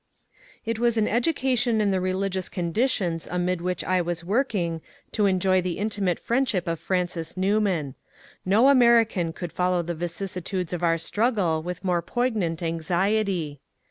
It was an education in the religious conditions amid which I was working to enjoy the intimate friendship of Francis Newman. No American could follow the vicissitudes of our struggle with more poignant anxiety.